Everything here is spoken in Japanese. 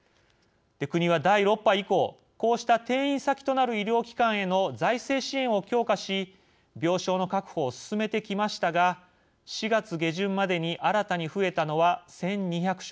国は第６波以降こうした転院先となる医療機関への財政支援を強化し病床の確保を進めてきましたが４月下旬までに新たに増えたのは１，２００床。